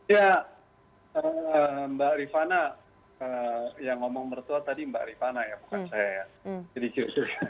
ya mbak rifana yang ngomong mertua tadi mbak rifana ya bukan saya ya sedikit